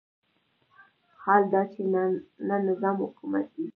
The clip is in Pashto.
حال دا چې نه نظام حکومت دی.